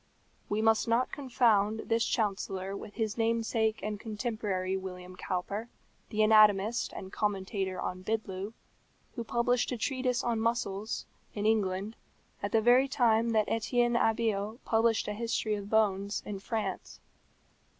We must not confound this chancellor with his namesake and contemporary William Cowper, the anatomist and commentator on Bidloo, who published a treatise on muscles, in England, at the very time that Etienne Abeille published a history of bones, in France.